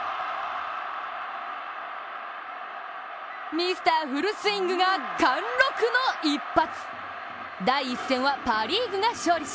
ミスターフルスイングが貫禄の一発。